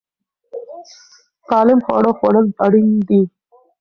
سالم خواړه خوړل اړین دي.